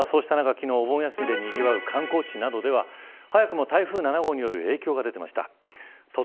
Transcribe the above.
そうした雨が昨日お盆休みでにぎわう観光地などでは早くも台風７号による影響が出ていました。